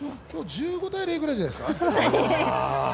１５−０ぐらいじゃないですか？